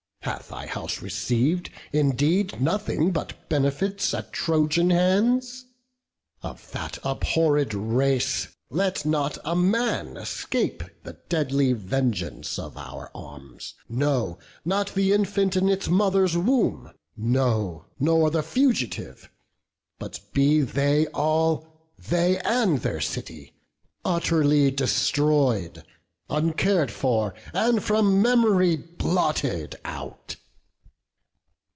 Hath thy house receiv'd indeed Nothing but benefits at Trojan hands? Of that abhorred race, let not a man Escape the deadly vengeance of our arms; No, not the infant in its mother's womb; No, nor the fugitive; but be they all, They and their city, utterly destroy'd, Uncar'd for, and from mem'ry blotted out."